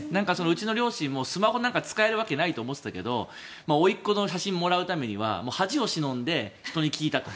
うちの両親もスマホなんか使えるわけないと思ってたけどおいっこの写真をもらうためには恥をしのんで人に聞いたと。